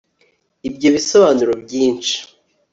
ibyo bisobanura byinshi